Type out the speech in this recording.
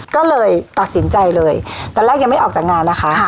ก็เลยตัดสินใจเลยตอนแรกยังไม่ออกจากงานนะคะ